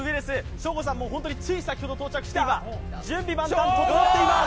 ショーゴさんつい先ほど到着した今準備万端、整っています。